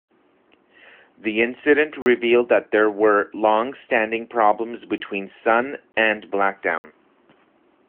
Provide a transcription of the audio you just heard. The incident revealed that there were long standing problems between Sun and Blackdown.